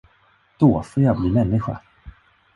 Då får jag bli människa!